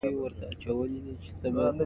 د هغه پورتنۍ شونډه په بې وسۍ سره رپیده